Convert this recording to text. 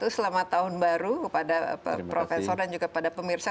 selamat tahun baru kepada prof dan juga kepada pemirsa